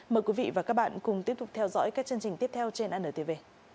mời quý vị và các bạn cùng tiếp tục theo dõi các chương trình tiếp theo trên antv